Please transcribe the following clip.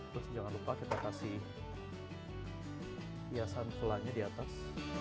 terus jangan lupa kita kasih hiasan tulangnya di atas